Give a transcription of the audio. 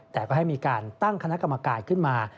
แต่ก็ให้มีการตั้งคณะกรรมการขึ้นมา